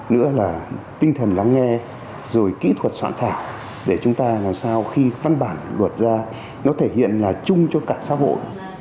nữa là tinh thần lắng nghe rồi kỹ thuật soạn thảo để chúng ta làm sao khi văn bản luật ra nó thể hiện là chung cho cả xã hội